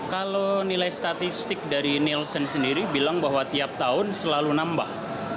kalau nilai statistik dari nielsen sendiri bilang bahwa tiap tahun selalu nambah